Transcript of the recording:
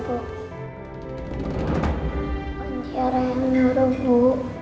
bukan tiara yang nuruh bu